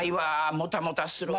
もたもたするわ。